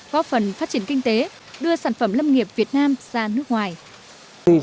góp phần phát triển kinh tế đưa sản phẩm lâm nghiệp việt nam ra nước ngoài